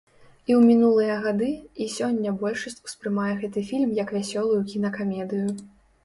І ў мінулыя гады, і сёння большасць успрымае гэты фільм як вясёлую кінакамедыю.